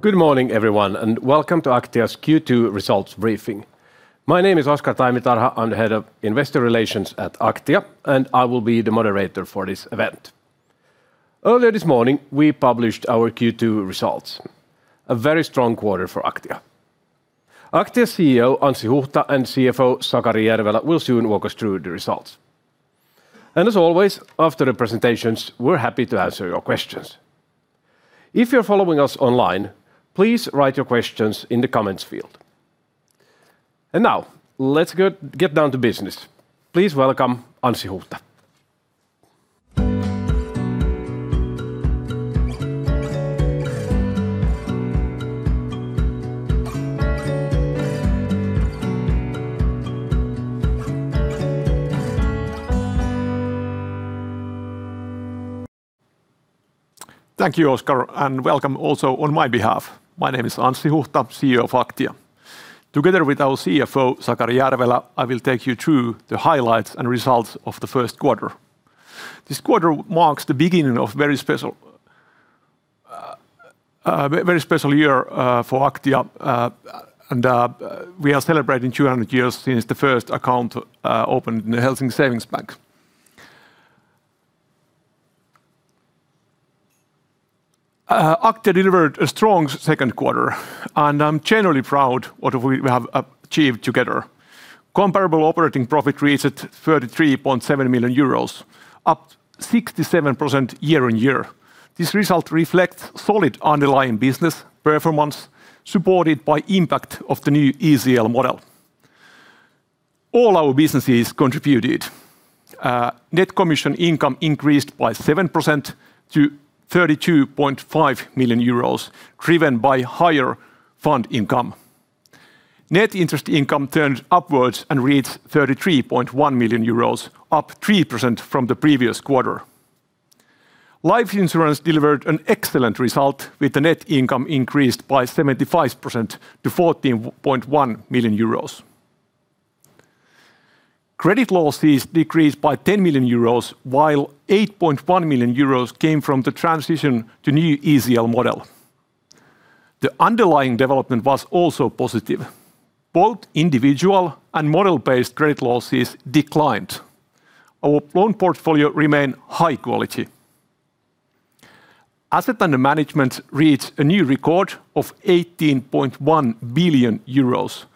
Good morning everyone, welcome to Aktia's Q2 Results Briefing. My name is Oscar Taimitarha. I'm the Head of Investor Relations at Aktia, and I will be the moderator for this event. Earlier this morning, we published our Q2 results, a very strong quarter for Aktia. Aktia CEO, Anssi Huhta, and CFO, Sakari Järvelä, will soon walk us through the results. As always, after the presentations, we're happy to answer your questions. If you're following us online, please write your questions in the comments field. Now, let's get down to business. Please welcome Anssi Huhta. Thank you, Oscar, welcome also on my behalf. My name is Anssi Huhta, CEO of Aktia. Together with our CFO, Sakari Järvelä, I will take you through the highlights and results of the first quarter. This quarter marks the beginning of a very special year for Aktia, we are celebrating 200 years since the first account opened in the Helsinki Savings Bank. Aktia delivered a strong second quarter, I'm generally proud what we have achieved together. Comparable operating profit reached 33.7 million euros, up 67% year-over-year. This result reflects solid underlying business performance, supported by impact of the new ECL model. All our businesses contributed. Net commission income increased by 7% to 32.5 million euros, driven by higher fund income. Net interest income turned upwards and reached 33.1 million euros, up 3% from the previous quarter. Life insurance delivered an excellent result with the net income increased by 75% to 14.1 million euros. Credit losses decreased by 10 million euros, while 8.1 million euros came from the transition to new ECL model. The underlying development was also positive. Both individual and model-based credit losses declined. Our loan portfolio remain high quality. Assets under management reached a new record of 18.1 billion euros,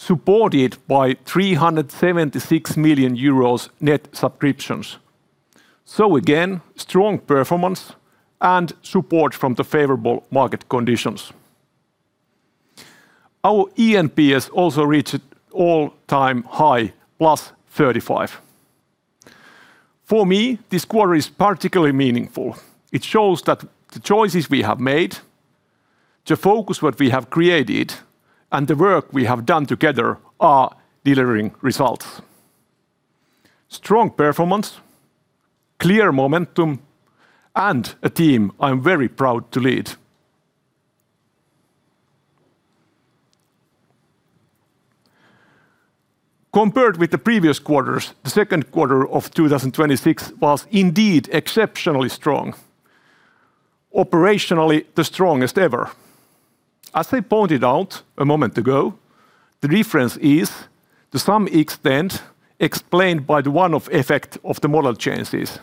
supported by 376 million euros net subscriptions. Again, strong performance and support from the favorable market conditions. Our ENPS also reached all-time high, +35. For me, this quarter is particularly meaningful. It shows that the choices we have made, the focus what we have created, and the work we have done together are delivering results. Strong performance, clear Momentum, and a team I'm very proud to lead. Compared with the previous quarters, the second quarter of 2026 was indeed exceptionally strong. Operationally, the strongest ever. As I pointed out a moment ago, the difference is to some extent explained by the one-off effect of the model changes.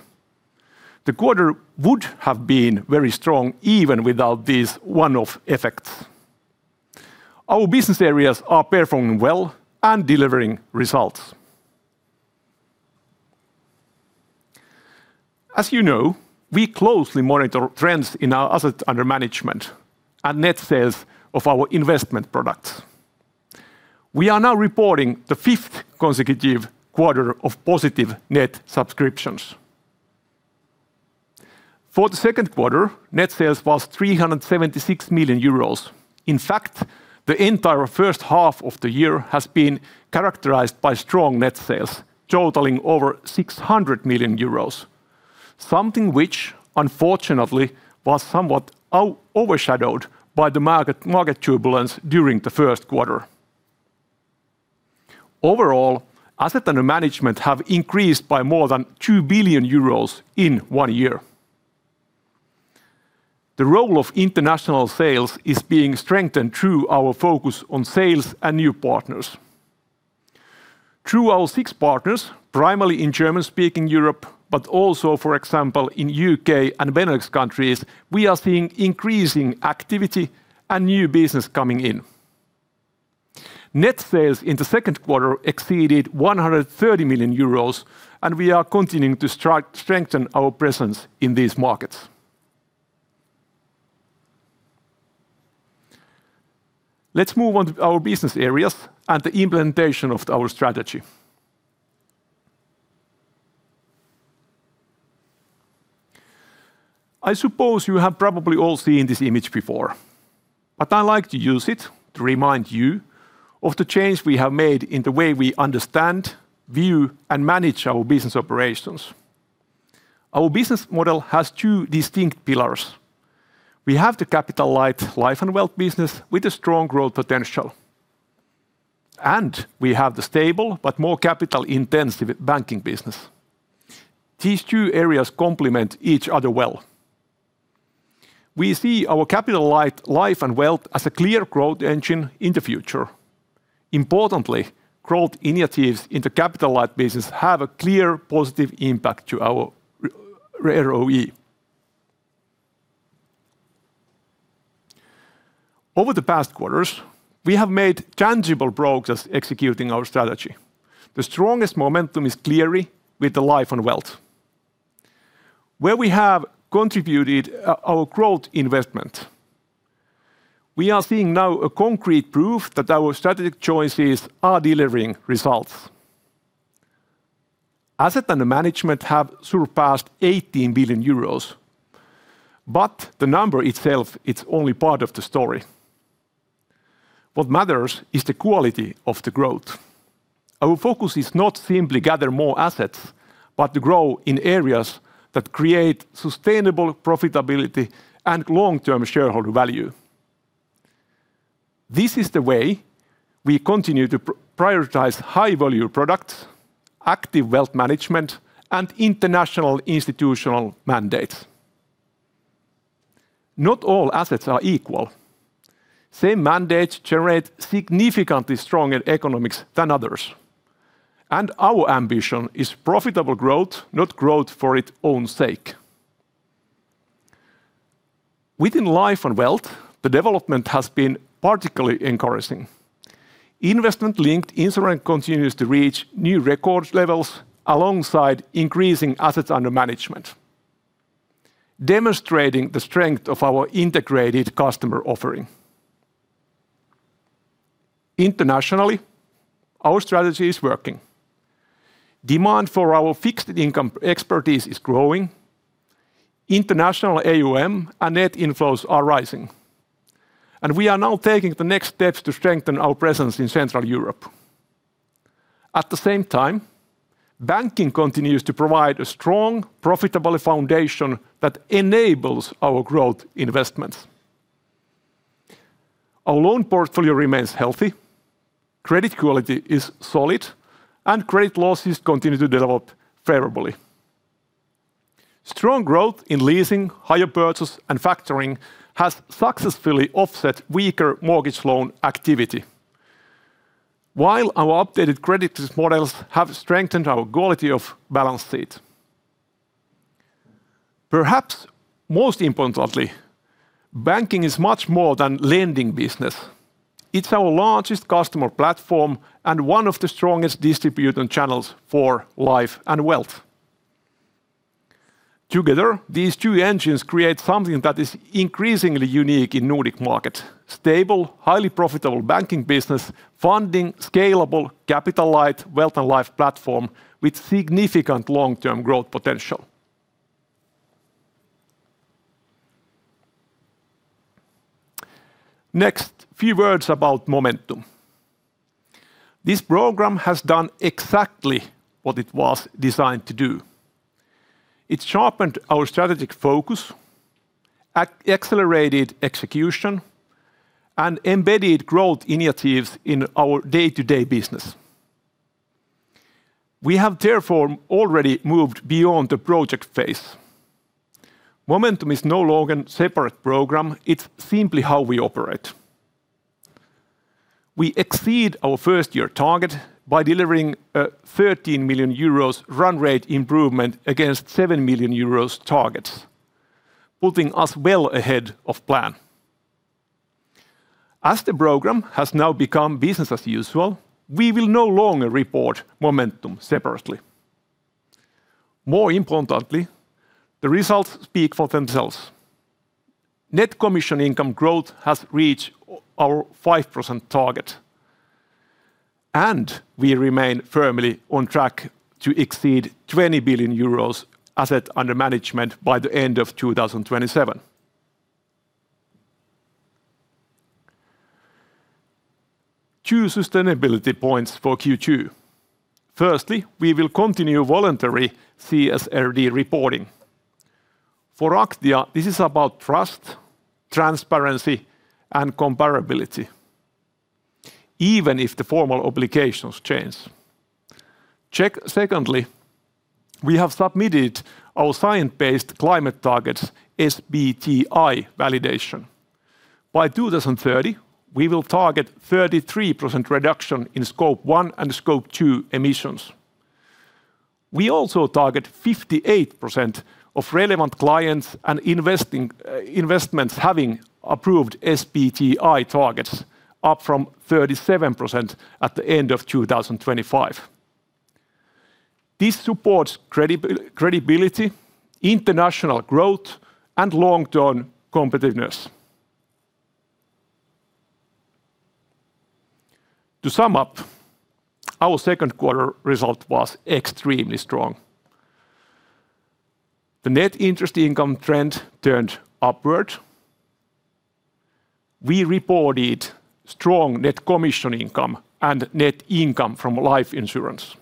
The quarter would have been very strong even without these one-off effects. Our business areas are performing well and delivering results. As you know, we closely monitor trends in our assets under management and net sales of our investment products. We are now reporting the fifth consecutive quarter of positive net subscriptions. For the second quarter, net sales was 376 million euros. In fact, the entire first half of the year has been characterized by strong net sales totaling over 600 million euros. Something which unfortunately was somewhat overshadowed by the market turbulence during the first quarter. Overall, assets under management have increased by more than two billion EUR in one year. The role of international sales is being strengthened through our focus on sales and new partners. Through our six partners, primarily in German-speaking Europe, but also, for example, in U.K. and Benelux countries, we are seeing increasing activity and new business coming in. Net sales in the second quarter exceeded 130 million euros, and we are continuing to strengthen our presence in these markets. Let's move on to our business areas and the implementation of our strategy. I suppose you have probably all seen this image before, but I like to use it to remind you of the change we have made in the way we understand, view, and manage our business operations. Our business model has two distinct pillars. We have the capital-light Life & Wealth business with a strong growth potential. We have the stable but more capital intensive banking business. These two areas complement each other well. We see our capital-light Life & Wealth as a clear growth engine in the future. Importantly, growth initiatives in the capital-light business have a clear positive impact to our ROE. Over the past quarters, we have made tangible progress executing our strategy. The strongest Momentum is clearly with the Life & Wealth, where we have contributed our growth investment. We are seeing now a concrete proof that our strategic choices are delivering results. Asset under management have surpassed 18 billion euros, but the number itself is only part of the story. What matters is the quality of the growth. Our focus is not simply gather more assets, but to grow in areas that create sustainable profitability and long-term shareholder value. This is the way we continue to prioritize high-value products, active wealth management, and international institutional mandates. Not all assets are equal. Same mandates generate significantly stronger economics than others. Our ambition is profitable growth, not growth for its own sake. Within Life & Wealth, the development has been particularly encouraging. Investment-linked insurance continues to reach new record levels alongside increasing assets under management, demonstrating the strength of our integrated customer offering. Internationally, our strategy is working. Demand for our fixed income expertise is growing. International AUM and net inflows are rising, and we are now taking the next steps to strengthen our presence in Central Europe. At the same time, banking continues to provide a strong, profitable foundation that enables our growth investments. Our loan portfolio remains healthy, credit quality is solid, and credit losses continue to develop favorably. Strong growth in leasing, hire purchase and factoring has successfully offset weaker mortgage loan activity. Our updated credit models have strengthened our quality of balance sheet. Perhaps most importantly, banking is much more than lending business. It's our largest customer platform and one of the strongest distribution channels for Life & Wealth. Together, these two engines create something that is increasingly unique in Nordic market. Stable, highly profitable banking business funding scalable capital-light Wealth & Life platform with significant long-term growth potential. Next, few words about Momentum. This program has done exactly what it was designed to do. It sharpened our strategic focus, accelerated execution, and embedded growth initiatives in our day-to-day business. We have therefore already moved beyond the project phase. Momentum is no longer a separate program. It's simply how we operate. We exceed our first-year target by delivering a 13 million euros run rate improvement against 7 million euros targets, putting us well ahead of plan. The program has now become business as usual, we will no longer report Momentum separately. More importantly, the results speak for themselves. Net commission income growth has reached our 5% target, and we remain firmly on track to exceed 20 billion euros assets under management by the end of 2027. Two sustainability points for Q2. Firstly, we will continue voluntary CSRD reporting. For Aktia, this is about trust, transparency and comparability, even if the formal obligations change. Secondly, we have submitted our science-based climate targets, SBTi validation. By 2030, we will target 33% reduction in scope one and scope two emissions. We also target 58% of relevant clients and investments having approved SBTi targets up from 37% at the end of 2025. This supports credibility, international growth and long-term competitiveness. To sum up, our second quarter result was extremely strong. The net interest income trend turned upward. We reported strong net commission income and net income from life insurance.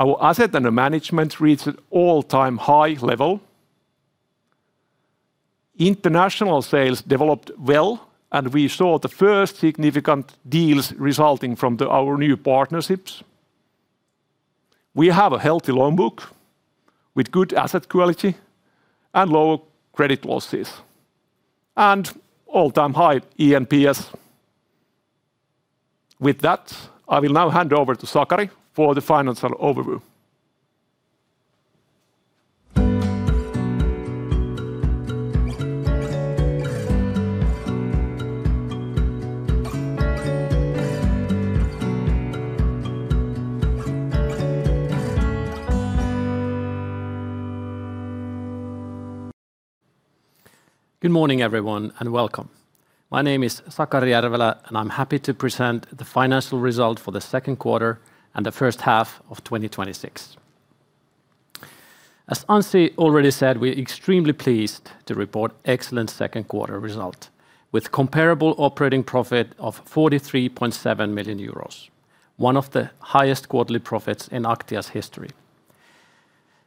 Our asset under management reached an all-time high level. International sales developed well, and we saw the first significant deals resulting from our new partnerships. We have a healthy loan book with good asset quality and low credit losses, and all-time high ENPS. With that, I will now hand over to Sakari for the financial overview. Good morning, everyone, and welcome. My name is Sakari Järvelä, and I am happy to present the financial result for the second quarter and the first half of 2026. As Anssi already said, we are extremely pleased to report excellent second quarter result with comparable operating profit of 43.7 million euros, one of the highest quarterly profits in Aktia's history.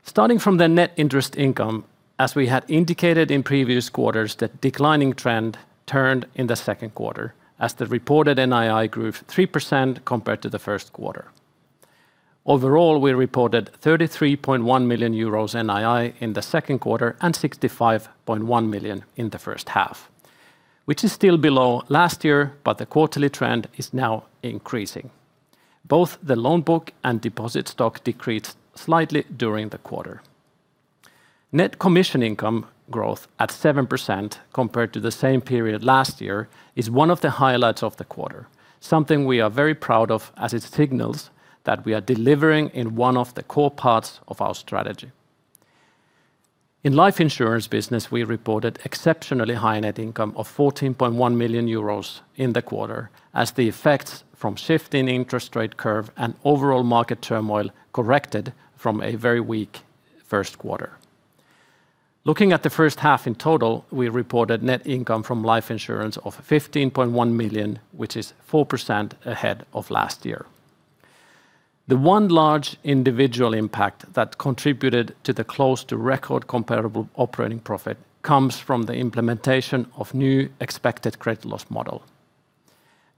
Starting from the net interest income, as we had indicated in previous quarters, the declining trend turned in the second quarter as the reported NII grew 3% compared to the first quarter. Overall, we reported 33.1 million euros NII in the second quarter and 65.1 million in the first half, which is still below last year, but the quarterly trend is now increasing. Both the loan book and deposit stock decreased slightly during the quarter. Net commission income growth at 7% compared to the same period last year is one of the highlights of the quarter, something we are very proud of as it signals that we are delivering in one of the core parts of our strategy. In life insurance business, we reported exceptionally high net income of 14.1 million euros in the quarter as the effects from shift in interest rate curve and overall market turmoil corrected from a very weak first quarter. Looking at the first half in total, we reported net income from life insurance of 15.1 million, which is 4% ahead of last year. The one large individual impact that contributed to the close to record comparable operating profit comes from the implementation of new expected credit loss model.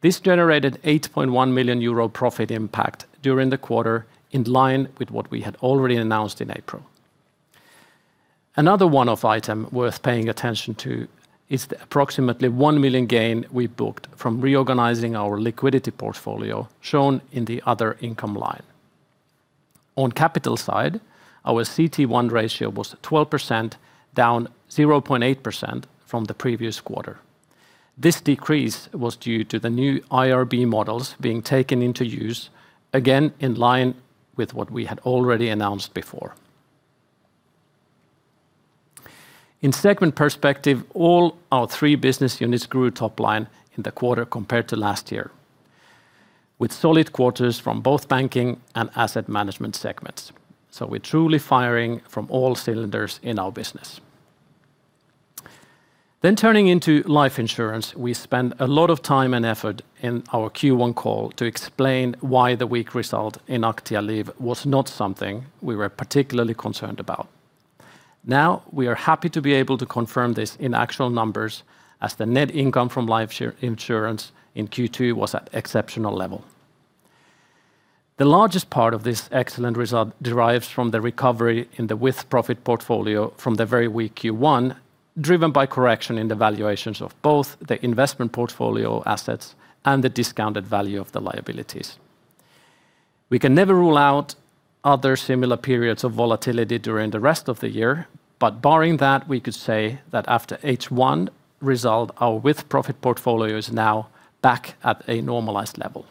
This generated 8.1 million euro profit impact during the quarter, in line with what we had already announced in April. Another one-off item worth paying attention to is the approximately 1 million gain we booked from reorganizing our liquidity portfolio, shown in the other income line. On capital side, our CET1 ratio was 12%, down 0.8% from the previous quarter. This decrease was due to the new IRB models being taken into use, again, in line with what we had already announced before. In segment perspective, all our three business units grew top line in the quarter compared to last year, with solid quarters from both banking and asset management segments. We're truly firing from all cylinders in our business. Turning into life insurance, we spent a lot of time and effort in our Q1 call to explain why the weak result in Aktia Life was not something we were particularly concerned about. We are happy to be able to confirm this in actual numbers as the net income from life insurance in Q2 was at exceptional level. The largest part of this excellent result derives from the recovery in the with-profit portfolio from the very weak Q1, driven by correction in the valuations of both the investment portfolio assets and the discounted value of the liabilities. We can never rule out other similar periods of volatility during the rest of the year, but barring that, we could say that after H1 result, our with-profit portfolio is now back at a normalized level.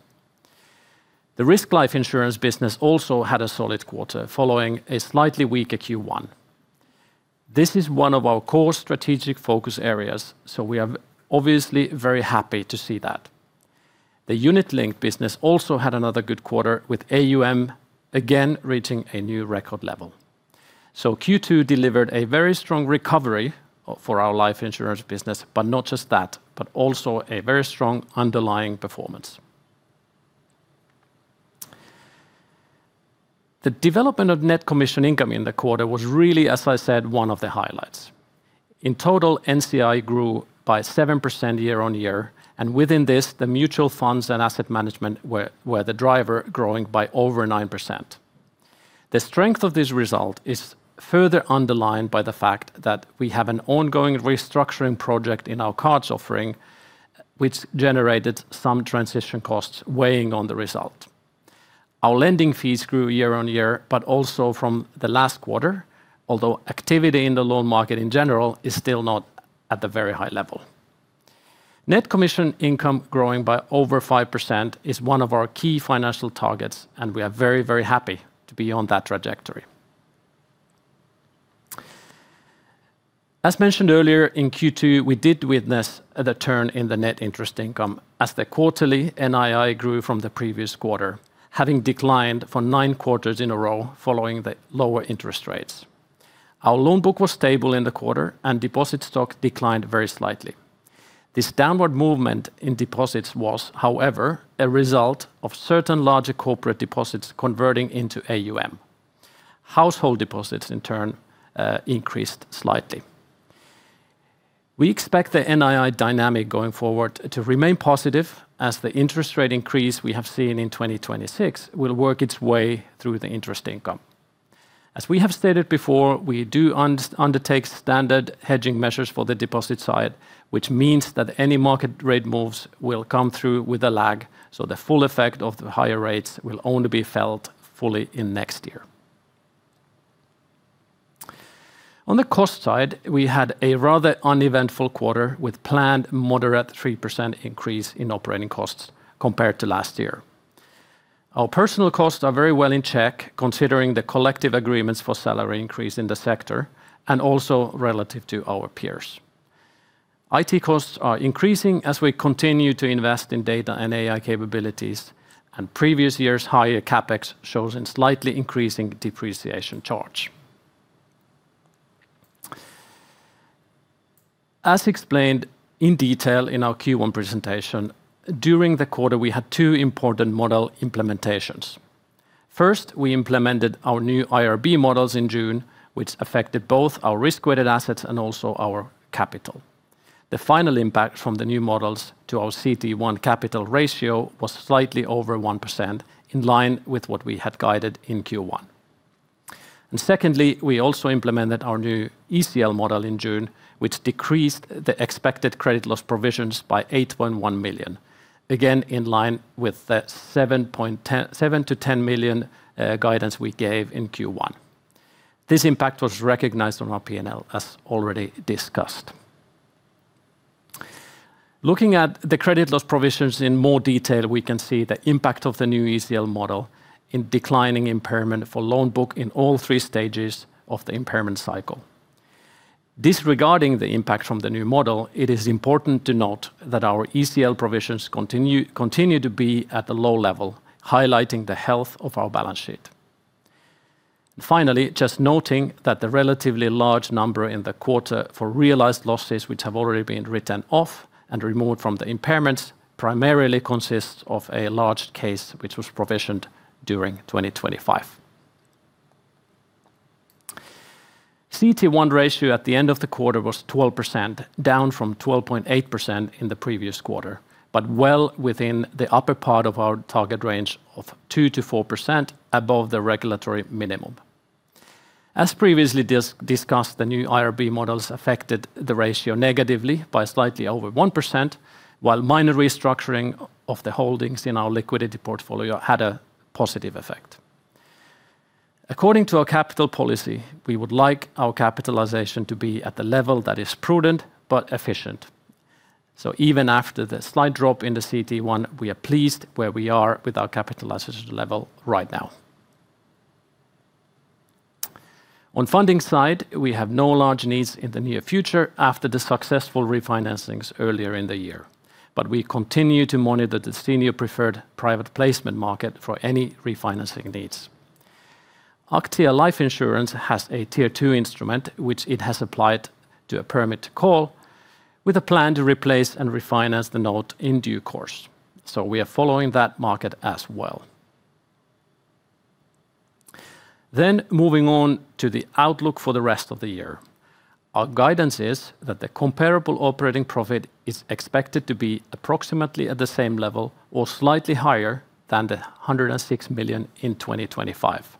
The risk life insurance business also had a solid quarter following a slightly weaker Q1. This is one of our core strategic focus areas, we are obviously very happy to see that. The unit-linked business also had another good quarter with AUM again reaching a new record level. Q2 delivered a very strong recovery for our life insurance business. Not just that, but also a very strong underlying performance. The development of net commission income in the quarter was really, as I said, one of the highlights. In total, NCI grew by 7% year-on-year, and within this, the mutual funds and asset management were the driver, growing by over 9%. The strength of this result is further underlined by the fact that we have an ongoing restructuring project in our cards offering, which generated some transition costs weighing on the result. Our lending fees grew year-on-year, but also from the last quarter, although activity in the loan market, in general, is still not at the very high level. Net commission income growing by over 5% is one of our key financial targets, and we are very, very happy to be on that trajectory. As mentioned earlier, in Q2, we did witness the turn in the net interest income as the quarterly NII grew from the previous quarter, having declined for nine quarters in a row following the lower interest rates. Our loan book was stable in the quarter, and deposit stock declined very slightly. This downward movement in deposits was, however, a result of certain larger corporate deposits converting into AUM Household deposits, in turn, increased slightly. We expect the NII dynamic going forward to remain positive as the interest rate increase we have seen in 2026 will work its way through the interest income. As we have stated before, we do undertake standard hedging measures for the deposit side, which means that any market rate moves will come through with a lag, the full effect of the higher rates will only be felt fully in next year. On the cost side, we had a rather uneventful quarter with planned moderate 3% increase in operating costs compared to last year. Our personal costs are very well in check considering the collective agreements for salary increase in the sector and also relative to our peers. IT costs are increasing as we continue to invest in data and AI capabilities, and previous years' higher CapEx shows in slightly increasing depreciation charge. As explained in detail in our Q1 presentation, during the quarter, we had two important model implementations. First, we implemented our new IRB models in June, which affected both our risk-weighted assets and also our capital. The final impact from the new models to our CET1 capital ratio was slightly over 1%, in line with what we had guided in Q1. Secondly, we also implemented our new ECL model in June, which decreased the expected credit loss provisions by 8.1 million, again, in line with the 7 million-10 million guidance we gave in Q1. This impact was recognized on our P&L as already discussed. Looking at the credit loss provisions in more detail, we can see the impact of the new ECL model in declining impairment for loan book in all 3 stages of the impairment cycle. Disregarding the impact from the new model, it is important to note that our ECL provisions continue to be at a low level, highlighting the health of our balance sheet. Finally, just noting that the relatively large number in the quarter for realized losses, which have already been written off and removed from the impairments, primarily consists of a large case which was provisioned during 2025. CET1 ratio at the end of the quarter was 12%, down from 12.8% in the previous quarter, but well within the upper part of our target range of 2%-4% above the regulatory minimum. As previously discussed, the new IRB models affected the ratio negatively by slightly over 1%, while minor restructuring of the holdings in our liquidity portfolio had a positive effect. According to our capital policy, we would like our capitalization to be at the level that is prudent but efficient. Even after the slight drop in the CET1, we are pleased where we are with our capitalization level right now. On funding side, we have no large needs in the near future after the successful refinancings earlier in the year. We continue to monitor the senior preferred private placement market for any refinancing needs. Aktia Life Insurance has a Tier 2 instrument, which it has applied to a permit to call with a plan to replace and refinance the note in due course. We are following that market as well. Moving on to the outlook for the rest of the year. Our guidance is that the comparable operating profit is expected to be approximately at the same level or slightly higher than the 106 million in 2025.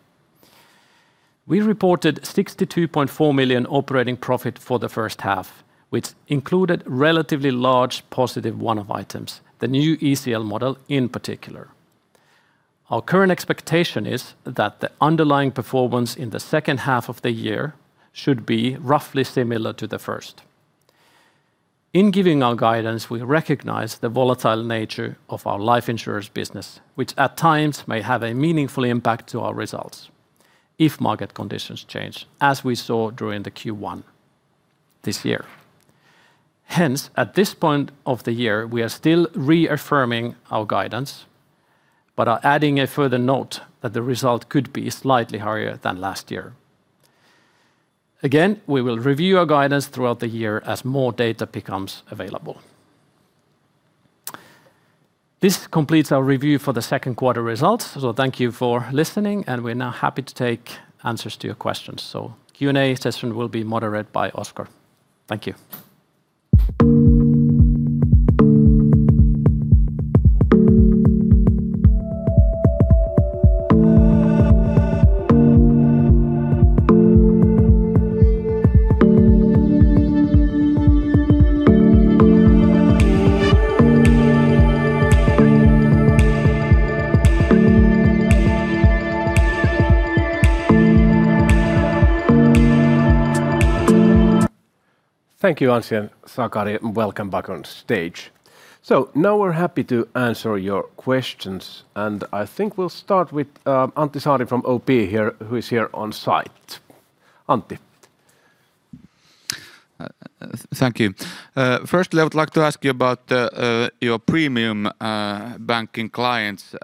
We reported 62.4 million operating profit for the first half, which included relatively large positive one-off items, the new ECL model in particular. Our current expectation is that the underlying performance in the second half of the year should be roughly similar to the first. In giving our guidance, we recognize the volatile nature of our life insurance business, which at times may have a meaningful impact to our results if market conditions change, as we saw during the Q1 this year. At this point of the year, we are still reaffirming our guidance but are adding a further note that the result could be slightly higher than last year. Again, we will review our guidance throughout the year as more data becomes available. This completes our review for the second quarter results. Thank you for listening, and we're now happy to take answers to your questions. Q&A session will be moderated by Oscar. Thank you. Thank you, Anssi and Sakari. Welcome back on stage. Now we're happy to answer your questions, and I think we'll start with Antti Saari from OP who is here on site. Antti. Thank you. Firstly, I would like to ask you about your premium banking clients.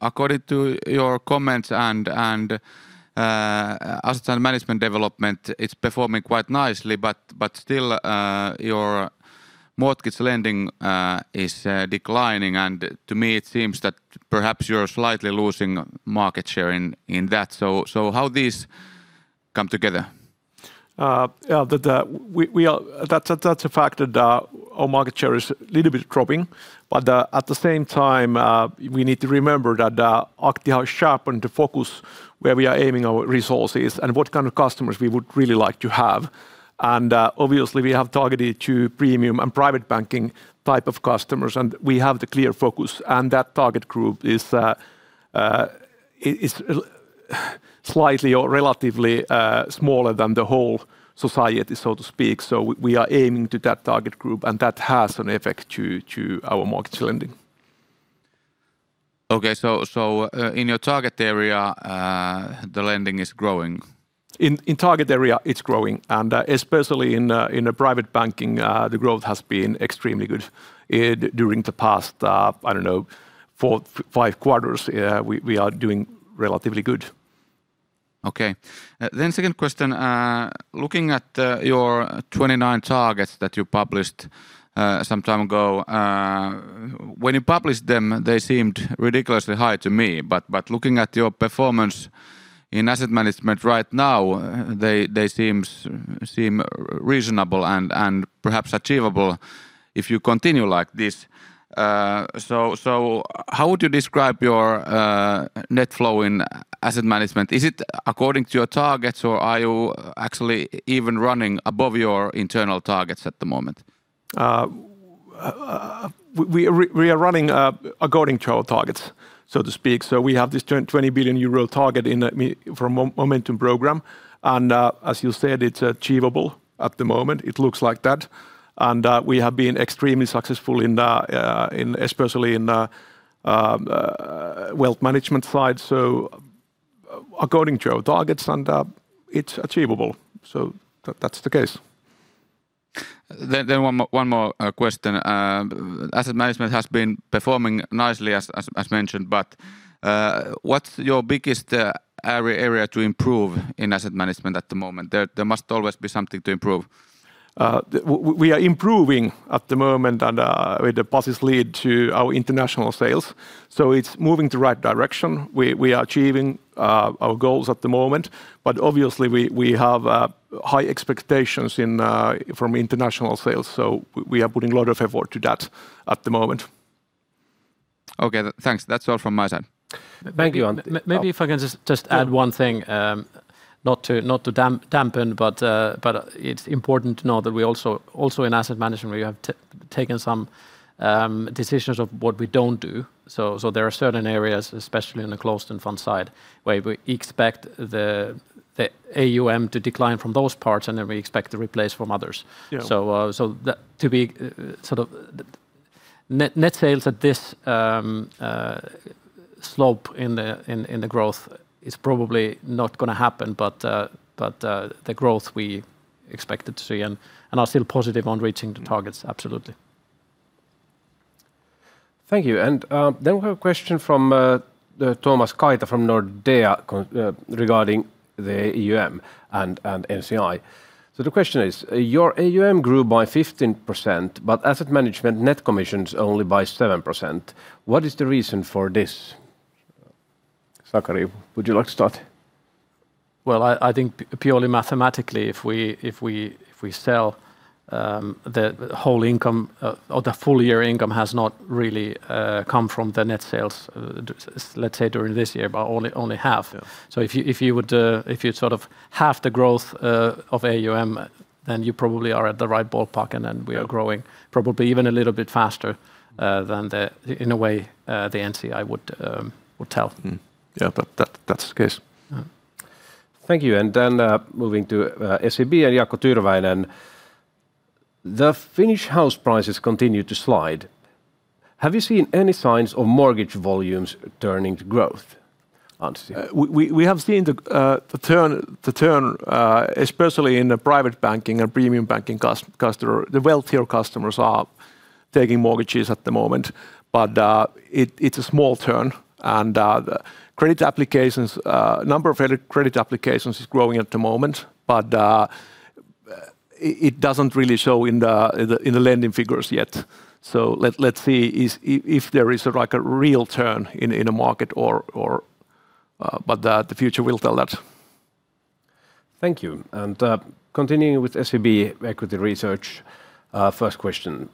According to your comments and asset management development, it's performing quite nicely, but still, your mortgage lending is declining, and to me, it seems that perhaps you're slightly losing market share in that. How these come together? That's a fact that our market share is a little bit dropping, but at the same time, we need to remember that Aktia has sharpened the focus where we are aiming our resources and what kind of customers we would really like to have. Obviously, we have targeted to premium and private banking type of customers, and we have the clear focus, and that target group is slightly or relatively smaller than the whole society, so to speak. We are aiming to that target group, and that has an effect to our mortgage lending. Okay. In your target area, the lending is growing. In target area, it's growing, especially in the private banking, the growth has been extremely good. During the past, I don't know, four, five quarters, we are doing relatively good. Okay. Second question. Looking at your 2029 targets that you published some time ago, when you published them, they seemed ridiculously high to me. Looking at your performance in asset management right now, they seem reasonable and perhaps achievable if you continue like this. How would you describe your net flow in asset management? Is it according to your targets, or are you actually even running above your internal targets at the moment? We are running according to our targets, so to speak. We have this 20 billion euro target from Momentum program, and as you said, it's achievable at the moment. It looks like that. We have been extremely successful, especially in wealth management side. According to our targets, and it's achievable. That's the case. One more question. Asset management has been performing nicely as mentioned, what's your biggest area to improve in asset management at the moment? There must always be something to improve. We are improving at the moment with the positive lead to our international sales. It's moving the right direction. We are achieving our goals at the moment, obviously, we have high expectations from international sales, we are putting a lot of effort to that at the moment. Okay, thanks. That's all from my side. Thank you. Maybe if I can just add one thing. Not to dampen, but it's important to know that also in asset management, we have taken some decisions of what we don't do. There are certain areas, especially in the closed-end fund side, where we expect the AUM to decline from those parts, and then we expect to replace from others. Yeah. Net sales at this slope in the growth is probably not going to happen, but the growth we expected to see and are still positive on reaching the targets, absolutely. Thank you. We have a question from Tomas Kaita from Nordea regarding the AUM and NCI. The question is: Your AUM grew by 15%, but asset management net commissions only by 7%. What is the reason for this? Sakari, would you like to start? Well, I think purely mathematically, if we sell the whole income or the full year income has not really come from the net sales, let's say during this year, but only half. Yeah. If you half the growth of AUM, then you probably are at the right ballpark, and then we are growing probably even a little bit faster than, in a way, the NCI would tell. Yeah. That's the case. Yeah. Thank you. Moving to SEB and Jaakko Tyrväinen. The Finnish house prices continue to slide. Have you seen any signs of mortgage volumes turning to growth? Antti. We have seen the turn, especially in the private banking and premium banking customer. The wealthier customers are taking mortgages at the moment, but it's a small turn, and the number of credit applications is growing at the moment, but it doesn't really show in the lending figures yet. Let's see if there is a real turn in the market. The future will tell that. Thank you. Continuing with SEB Equity Research first question.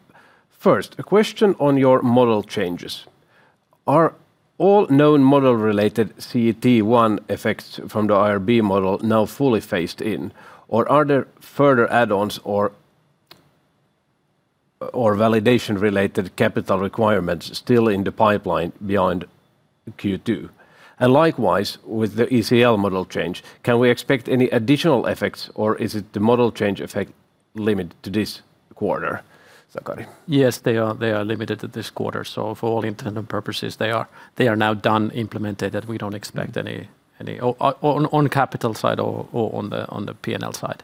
First, a question on your model changes. Are all known model-related CET1 effects from the IRB model now fully phased in, or are there further add-ons or validation-related capital requirements still in the pipeline behind Q2? Likewise, with the ECL model change, can we expect any additional effects, or is it the model change effect limited to this quarter, Sakari? Yes, they are limited to this quarter. For all intent and purposes, they are now done, implemented, and we don't expect any on capital side or on the P&L side.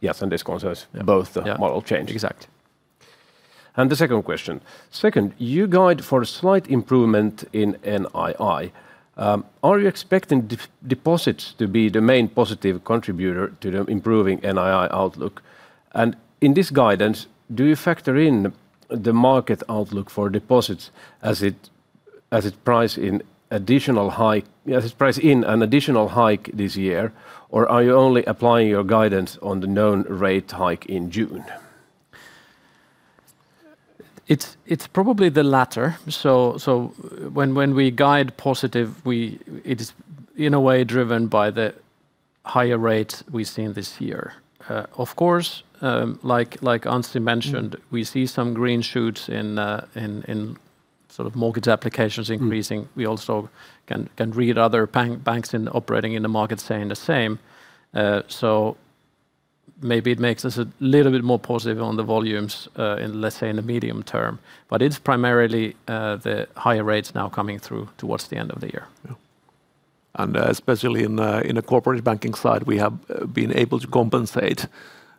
Yes, this concerns both the model changes. Yeah. Exactly. The second question. Second, you guide for a slight improvement in NII. Are you expecting deposits to be the main positive contributor to the improving NII outlook? Are you only applying your guidance on the known rate hike in June? It's probably the latter. When we guide positive, it is in a way driven by the higher rates we've seen this year. Of course, like Anssi mentioned, we see some green shoots in mortgage applications increasing. We also can read other banks operating in the market saying the same. Maybe it makes us a little bit more positive on the volumes in, let's say, in the medium term. It's primarily the higher rates now coming through towards the end of the year. Yeah. Especially in the corporate banking side, we have been able to compensate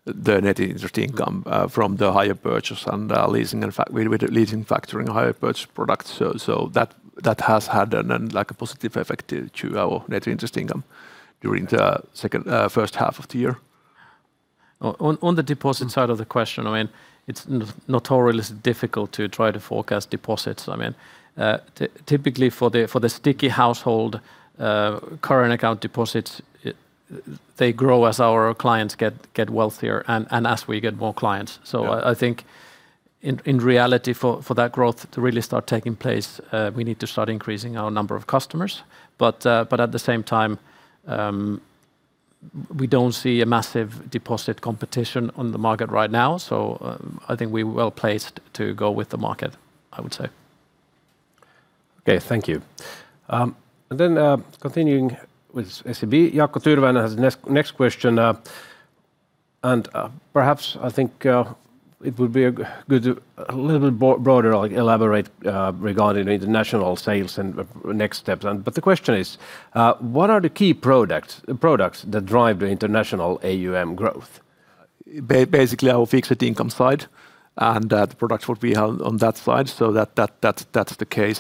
the net interest income from the higher purchase and leasing and factoring hire purchase products. That has had a positive effect to our net interest income during the first half of the year. On the deposit side of the question, it is notoriously difficult to try to forecast deposits. Typically, for the sticky household current account deposits, they grow as our clients get wealthier and as we get more clients. Yeah. I think in reality for that growth to really start taking place, we need to start increasing our number of customers. At the same time, we do not see a massive deposit competition on the market right now. I think we are well-placed to go with the market, I would say. Okay. Thank you. Continuing with SEB, Jaakko Tyrväinen has the next question. Perhaps, I think it would be good to a little bit broader elaborate regarding international sales and next steps. The question is, what are the key products that drive the international AUM growth? Basically, our fixed income side, and the products what we have on that side. That is the case.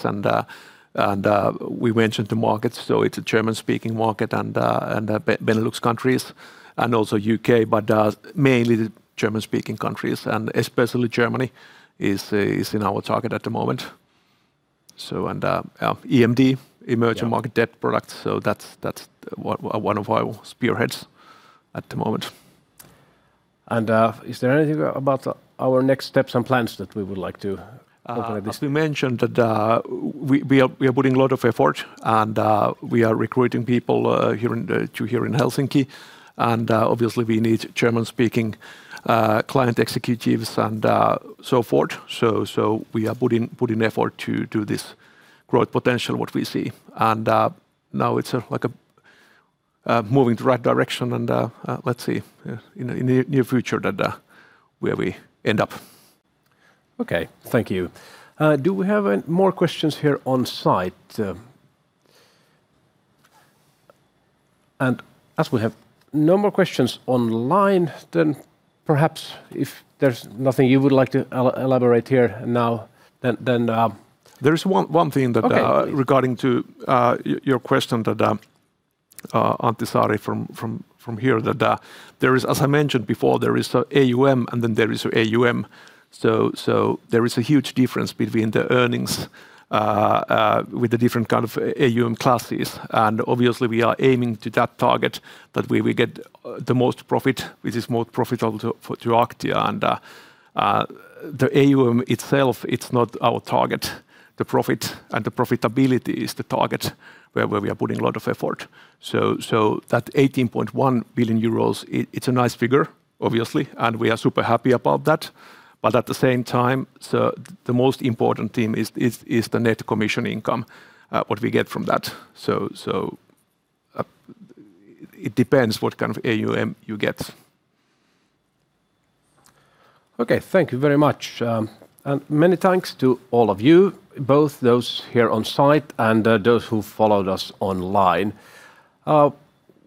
We mentioned the markets, so it is a German-speaking market and the Benelux countries, and also U.K. Mainly the German-speaking countries, and especially Germany is in our target at the moment. EMD. Yeah Market debt products. That's one of our spearheads at the moment. Is there anything about our next steps and plans that we would like to open up? As we mentioned, we are putting a lot of effort, and we are recruiting people to here in Helsinki. Obviously, we need German-speaking client executives and so forth. We are putting effort to this growth potential what we see. Now it's moving to right direction, and let's see in the near future that where we end up. Okay. Thank you. Do we have any more questions here on site? As we have no more questions online, then perhaps if there's nothing you would like to elaborate here now, then. There is one thing. Okay Regarding to your question, that Antti Saari from here, that there is, as I mentioned before, there is AUM and then there is AUM. There is a huge difference between the earnings with the different kind of AUM classes. Obviously, we are aiming to that target that where we get the most profit, which is more profitable to Aktia. The AUM itself, it's not our target. The profit and the profitability is the target where we are putting a lot of effort. That 18.1 billion euros, it's a nice figure, obviously, and we are super happy about that. At the same time, the most important theme is the net commission income, what we get from that. It depends what kind of AUM you get. Okay. Thank you very much. Many thanks to all of you, both those here on site and those who followed us online.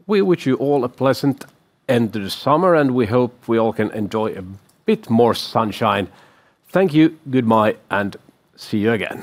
We wish you all a pleasant end to the summer, and we hope we all can enjoy a bit more sunshine. Thank you, goodbye, and see you again